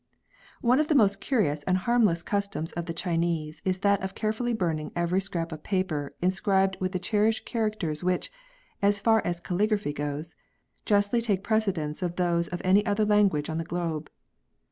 One of tlie most curious and harmless customs of the Chinese is that of carefully burning every scrap of paper inscribed with the cherished characters which, as far as calligraphy goes, justly take precedence of those of any other language on the globe.